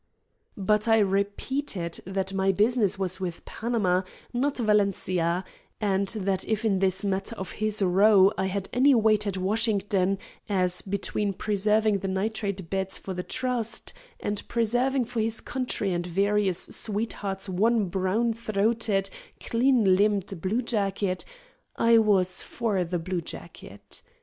But I repeated that my business was with Panama, not Valencia, and that if in this matter of his row I had any weight at Washington, as between preserving the nitrate beds for the trust, and preserving for his country and various sweethearts one brown throated, clean limbed bluejacket, I was for the bluejacket.